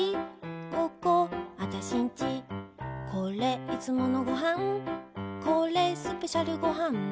ここ、あたしんちこれ、いつものごはんこれ、スペシャルごはん